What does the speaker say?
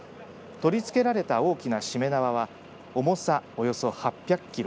取り付けられた大きなしめ縄は重さ、およそ８００キロ